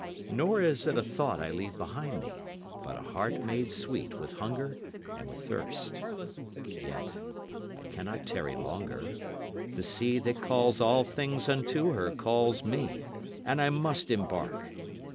Nor is it a thought I leave behind me, but a heart made sweet with hunger and with thirst. Yet I cannot tarry longer. The sea that calls all things unto her calls me, and I must embark.